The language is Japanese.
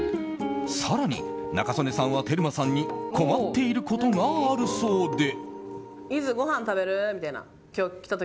更に、仲宗根さんはテルマさんに困っていることがあるそうで。